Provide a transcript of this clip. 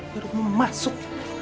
baru mau masuk